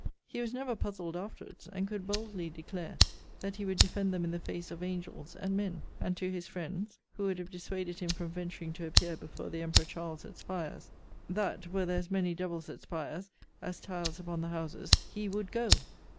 He was never puzzled afterwards; and could boldly declare that he would defend them in the face of angels and men; and to his friends, who would have dissuaded him from venturing to appear before the Emperor Charles at Spires, That, were there as many devils at Spires, as tiles upon the houses, he would go.